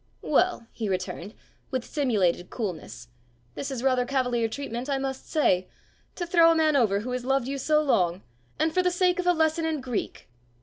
"Well," he returned, with simulated coolness, "this is rather cavalier treatment, I must say! To throw a man over who has loved you so long and for the sake of a lesson in Greek!"